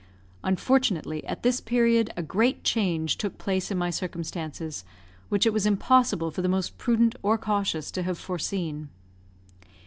Unfortunately, at this period, a great change took place in my circumstances, which it was impossible for the most prudent or cautious to have foreseen.